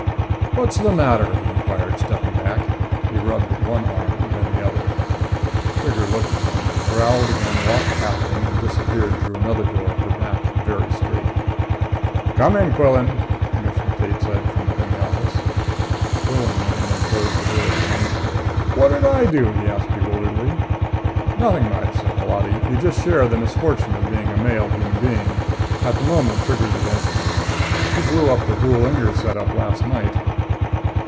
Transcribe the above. "What's the matter?" he inquired, stepping back. He rubbed one arm, then the other. Trigger looked at him, growled again, walked past him, and disappeared through another door, her back very straight. "Come in, Quillan," Commissioner Tate said from within the office. Quillan went in and closed the door behind him. "What did I do?" he asked bewilderedly. "Nothing much," said Holati. "You just share the misfortune of being a male human being. At the moment, Trigger's against 'em. She blew up the Brule Inger setup last night."